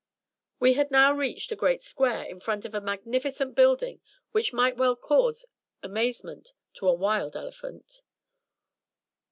We had now reached a great square in front of a magnificent building which might well cause amazement to a "wild" elephant.